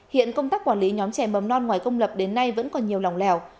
hiện công tác quản lý nhóm trẻ mầm non ngoài công lập đến nay vẫn còn nhiều lòng lèo